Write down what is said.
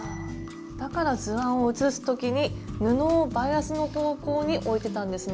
だから図案を写す時に布をバイアスの方向に置いてたんですね。